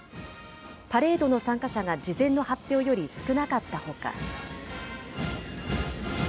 パレードの参加者が事前の発表より少なかったほか。